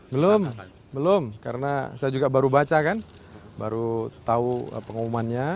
belum belum karena saya juga baru baca kan baru tahu pengumumannya